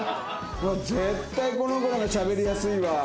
絶対この子の方がしゃべりやすいわ。